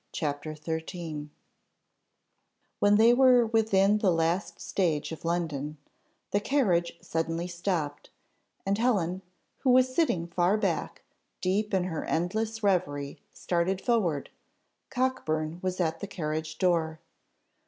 CHAPTER XIII When they were within the last stage of London, the carriage suddenly stopped, and Helen, who was sitting far back, deep in her endless reverie, started forward Cockburn was at the carriage door.